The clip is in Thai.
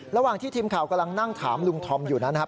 ระหว่างที่ทีมข่าวกำลังนั่งถามลุงธอมอยู่นั้นนะครับ